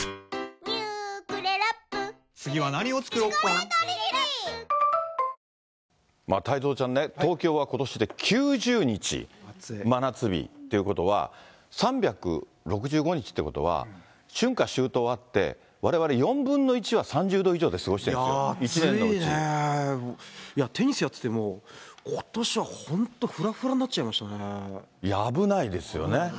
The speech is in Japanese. これ、太蔵ちゃんね、東京はことしで９０日、真夏日ということは、３６５日っていうことは、春夏秋冬あって、われわれ４分の１は３０度以上で過ごしてるんですよ、暑いね、テニスやってても、ことしは本当、いや、危ないですよね。